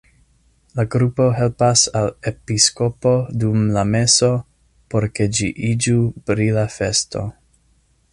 La grupo helpas al episkopo dum la meso, por ke ĝi iĝu brila festo.